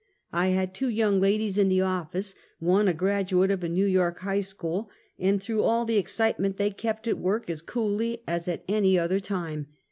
I had two young ladies in the office, one a graduate of a New York high school, and through all the excitement they kept at work as coolly as at any other time.